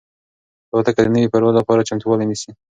الوتکه د نوي پرواز لپاره چمتووالی نیسي.